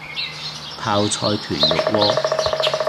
泡菜豚肉鍋